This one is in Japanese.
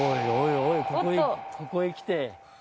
おいここへ来て。